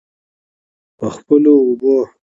په خپلو اوبو.